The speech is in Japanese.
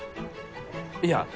いや。